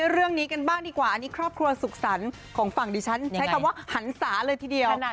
ละคอมาดูต่อกันที่